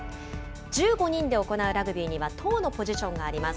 １５人で行うラグビーには、１０のポジションがあります。